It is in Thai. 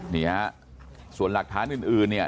นี่ฮะส่วนหลักฐานอื่นเนี่ย